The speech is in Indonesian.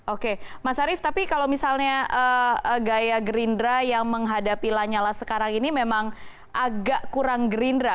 oke mas arief tapi kalau misalnya gaya gerindra yang menghadapi lanyala sekarang ini memang agak kurang gerindra